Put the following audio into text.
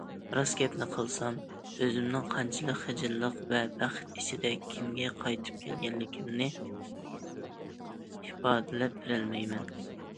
راست گەپنى قىلسام، ئۆزۈمنىڭ قانچىلىك خىجىلچىلىق ۋە بەخت ئىچىدە كېمىگە قايتىپ كەلگەنلىكىمنى ئىپادىلەپ بېرەلمەيمەن.